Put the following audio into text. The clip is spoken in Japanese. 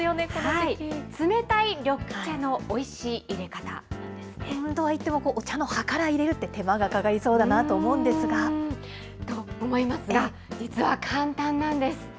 冷たい緑茶のおいしいいれ方とはいっても、お茶の葉からいれるって、手間がかかりそうだなと思うんですが。と思いますが、実は簡単なんです。